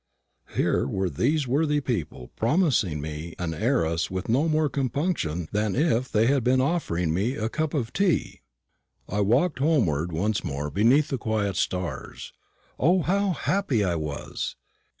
Here were these worthy people promising me an heiress with no more compunction than if they had been offering me a cup of tea. I walked homeward once more beneath the quiet stars. O, how happy I was!